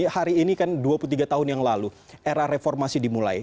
hari ini kan dua puluh tiga tahun yang lalu era reformasi dimulai